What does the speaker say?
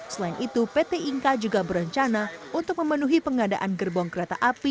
selain itu pt inka juga berencana untuk memenuhi pengadaan gerbong kereta api